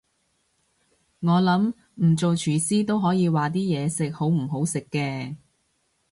我諗唔做廚師都可以話啲嘢食好唔好食嘅